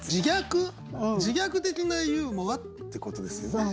自虐的なユーモアってことですよね。